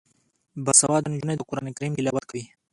باسواده نجونې د قران کریم تلاوت کوي.